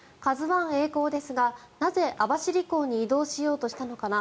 「ＫＡＺＵ１」えい航ですがなぜ、網走港に移動しようとしたのかな